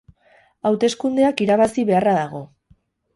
Hauteskundeak irabazi beharra dago.